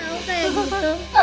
kau kayak gitu